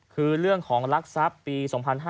คือเรื่องของรักทรัพย์ปี๒๕๕๙